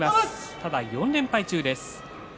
ただ４連敗中です。